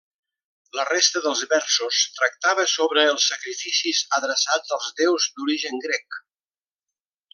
La resta dels versos tractava sobre els sacrificis adreçats als déus d'origen grec.